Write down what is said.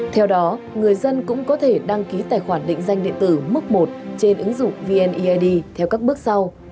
theo đó người dân cũng có thể đăng ký tài khoản định danh điện tử mức một trên ứng dụng vneid theo các bước sau